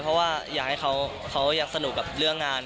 เพราะว่าอยากให้เขาอยากสนุกกับเรื่องงาน